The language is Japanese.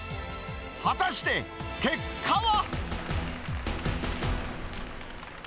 果たして結果は？